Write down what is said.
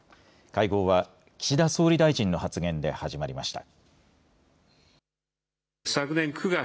会合は岸田総理大臣の発言で始まりました。